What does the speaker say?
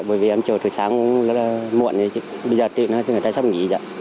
bởi vì em chờ từ sáng cũng rất là muộn bây giờ thì người ta sắp nghỉ rồi